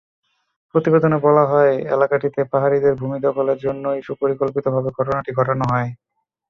প্রতিবেদনে বলা হয়, এলাকাটিতে পাহাড়িদের ভূমি দখলের জন্যই সুপরিকল্পিতভাবে ঘটনাটি ঘটানো হয়।